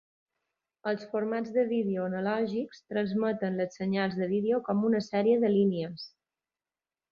Els formats de vídeo analògics transmeten les senyals de vídeo com una sèrie de "línies".